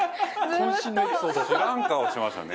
齊藤：知らん顔してましたね。